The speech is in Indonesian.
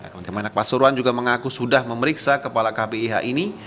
kemenang pasuruan juga mengaku sudah memeriksa kepala kbih ini